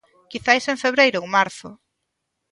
Quizais en febreiro ou marzo.